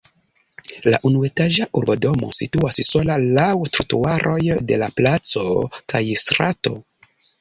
La unuetaĝa urbodomo situas sola laŭ trotuaroj de la placo kaj strato.